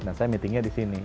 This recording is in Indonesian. nah saya meetingnya di sini